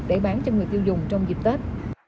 để bán cho người tiêu dùng trong dịp tết